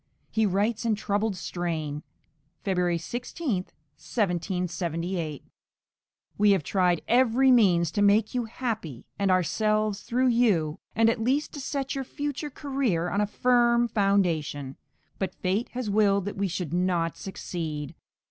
He writes in troubled strain (February 16, 1778): We have tried every means to make you happy, and ourselves through you, and at least to set your future career on a firm foundation: but fate has willed that we should not succeed.